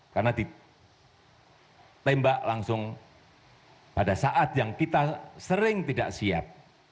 karena ditembak langsung pada saat yang kita sering tidak siap